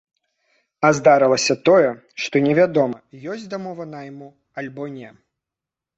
А здарылася тое, што невядома, ёсць дамова найму, альбо не.